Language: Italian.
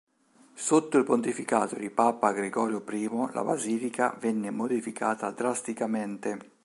Sotto il pontificato di papa Gregorio I la basilica venne modificata drasticamente.